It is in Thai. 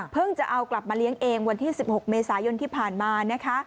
จะเอากลับมาเลี้ยงเองวันที่๑๖เมษายนที่ผ่านมานะคะ